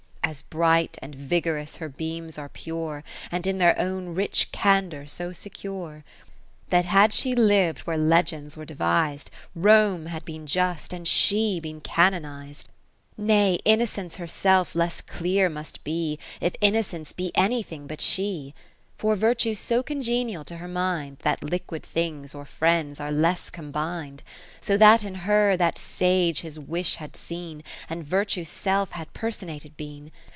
As bright and vigorous her beams are pure, And in their own rich candour so secure, Katherine Philips That had she liv'd where legends were devised, Rome had been just, and she been canonized. 4° Nay Innocence herself less clear must be, If Innocence be anything but she. For virtue's so congenial to her mind, That liquid things, or friends, are less combin'd. So that in her that sage his wish had seen. And virtue's self had personated been.